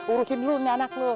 urusin dulu nih anak lo